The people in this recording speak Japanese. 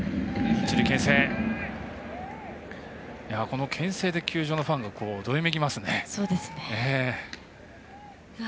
このけん制で球場のファンがどよめきますね。